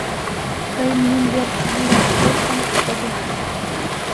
Тый нунын верч вуйын шогет гын, кодена.